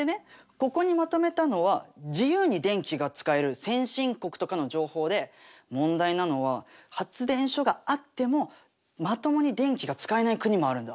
ここにまとめたのは自由に電気が使える先進国とかの情報で問題なのは発電所があってもまともに電気が使えない国もあるんだ。